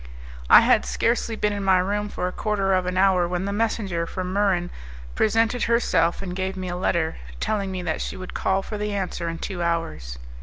I had scarcely been in my room for a quarter of an hour when the messenger from Muran presented herself and gave me a letter, telling me that she would call for the answer in two hours.